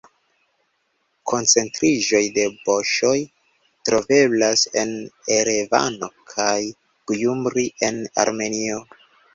Koncentriĝoj de boŝoj troveblas en Erevano kaj Gjumri en Armenio.